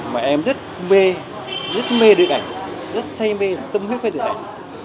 mà em rất mê rất mê được ảnh rất say mê tâm huyết với được ảnh